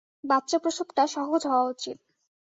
বাচ্চা-প্রসব টা সহজ হওয়া উচিৎ।